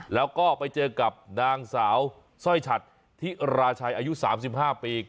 แล้วก็ไปเจอกับนางสาวสร้อยฉัดธิราชัยอายุ๓๕ปี